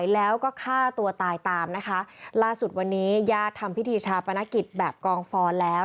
ล่าสุดวันนี้ยาดทำพิธีชาปนกฤษแบบกองฟ้อแล้ว